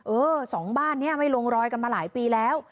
เออสองบ้านนี้ไม่ลงรอยกันมาหลายปีแล้ว